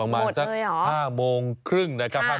หมดเลยหรอประมาณสัก๕โมงครึ่งนะครับ